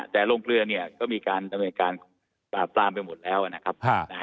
แต่ลงเปลือก็มีการตามไปหมดแล้วนะครับ